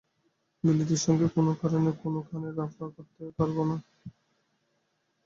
বিলিতির সঙ্গে কোনো কারণেই কোনোখানেই রফা করতে পারব না।